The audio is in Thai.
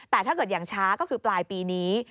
แต่ถ้าเกิดอย่างช้าก็คือปลายปีนี้